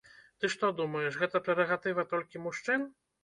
Ты што, думаеш, гэта прэрагатыва толькі мужчын?